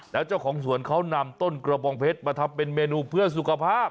แล้วเจ้าของสวนเขานำต้นกระบองเพชรมาทำเป็นเมนูเพื่อสุขภาพ